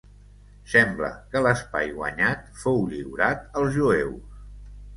Sembla que l'espai guanyat fou lliurat als jueus.